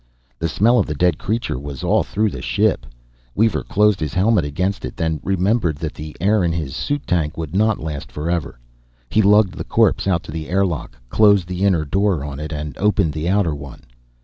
The smell of the dead creature was all through the ship. Weaver closed his helmet against it; then, remembering that the air in his suit tank would not last forever, he lugged the corpse out to the airlock, closed the inner door on it, and opened the outer one.